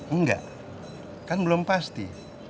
enggak kan belum pasti